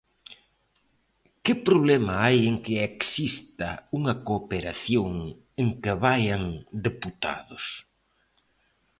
¿Que problema hai en que exista unha cooperación, en que vaian deputados?